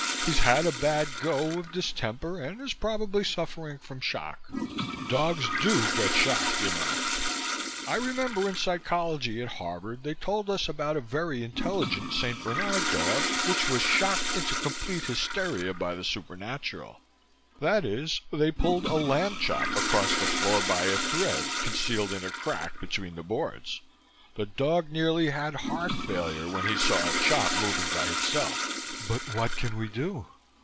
"He's had a bad go of distemper and is probably suffering from shock. Dogs do get shock, you know. I remember in Psychology at Harvard they told us about a very intelligent St. Bernard dog which was shocked into complete hysteria by the supernatural. That is, they pulled a lamb chop across the floor by a thread concealed in a crack between the boards. The dog nearly had heart failure when he saw a chop moving by itself." "But what can we do?"